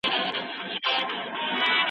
د بې وزلو حق په مال کي ورکړئ.